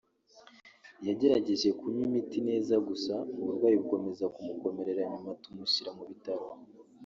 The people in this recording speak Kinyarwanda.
yagerageje kunywa imiti neza gusa uburwayi bukomeza kumukomerera nyuma tumushyira mu bitaro